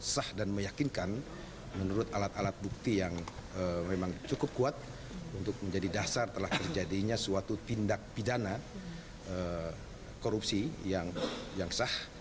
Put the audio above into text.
sah dan meyakinkan menurut alat alat bukti yang memang cukup kuat untuk menjadi dasar telah terjadinya suatu tindak pidana korupsi yang sah